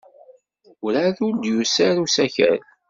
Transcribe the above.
Werɛad ur d-yusi ara usakal.